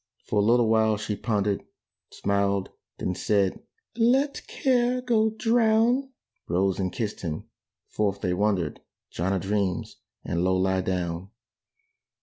For a little while she pondered: Smiled: then said, "Let care go drown!" Rose and kissed him.... Forth they wandered, John a dreams and Low lie down.